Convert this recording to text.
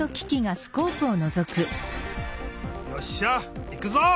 よっしゃいくぞ！